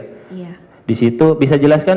iya disitu bisa jelaskan